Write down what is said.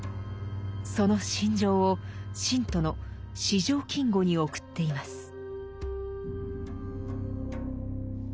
その心情を信徒の四条金吾に送っています。